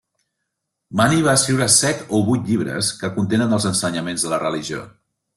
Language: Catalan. Mani va escriure set o vuit llibres, que contenen els ensenyaments de la religió.